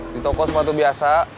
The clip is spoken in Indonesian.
di toko sepatu biasa